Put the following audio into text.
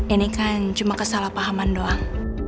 ini kan cuma kesalahpahaman doang